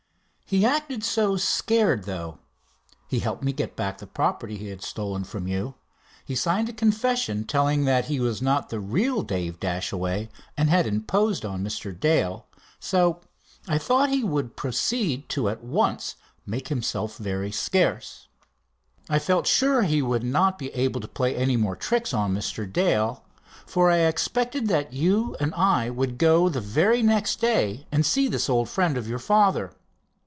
He acted so scared, though, he helped me get back the property he had stolen from you, he signed a confession telling that he was not the real Dave Dashaway and had imposed on Mr. Dale, so I thought he would proceed to at once make himself very scarce. I felt sure that he would not be able to play any more tricks on Mr. Dale, for I expected that you and I would go the very next day and see this old friend of your father.